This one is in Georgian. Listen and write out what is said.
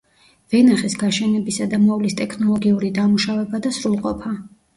ვენახის გაშენებისა და მოვლის ტექნოლოგიური დამუშავება და სრულყოფა.